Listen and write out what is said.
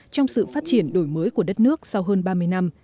trong sự phát triển đổi mới của đất nước sau hơn ba mươi năm